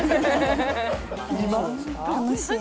楽しい。